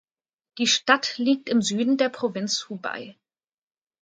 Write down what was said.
Die Stadt liegt im Süden der Provinz Hubei.